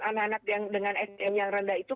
anak anak yang dengan sdm yang rendah itu